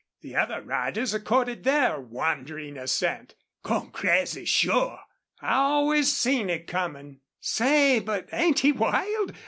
The other riders accorded their wondering assent. "Gone crazy, sure!" "I always seen it comin'." "Say, but ain't he wild?